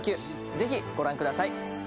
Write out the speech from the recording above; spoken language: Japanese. ぜひご覧ください